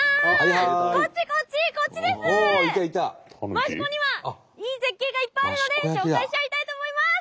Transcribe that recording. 益子にはいい絶景がいっぱいあるので紹介しちゃいたいと思います！